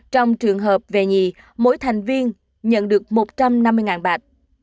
trong trường hợp về nhì mỗi thành viên nhận được một trăm năm mươi bạc